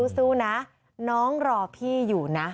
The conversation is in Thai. สู้นะน้องรอพี่อยู่นะ